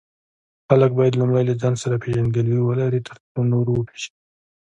خلک باید لومړی له ځان سره پیژندګلوي ولري، ترڅو نور پیژني.